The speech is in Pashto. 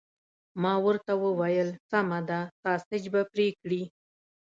ما ورته وویل: سمه ده، ساسیج به پرې کړي؟